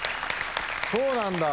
そうなんだ。